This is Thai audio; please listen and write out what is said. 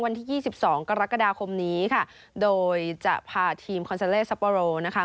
วันที่ยี่สิบสองกรกฎาคมนี้ค่ะโดยจะพาทีมคอนเซลเลสปอโลนะคะ